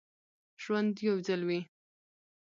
ژوند یو ځل وي